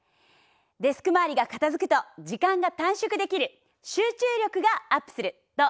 デスク周りが片づくと時間が短縮できる集中力がアップするといいことづくし。